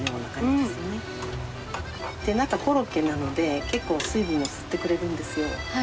なんかコロッケなので結構水分も吸ってくれるんですよ。